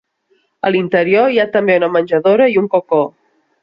A l'interior hi ha també una menjadora i un cocó.